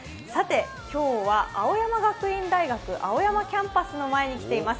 今日は、青山学院大学青山キャンパスの前に来ています。